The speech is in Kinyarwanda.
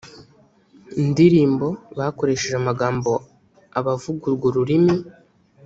ndirimbo bakoresheje amagambo abavuga urwo rurimi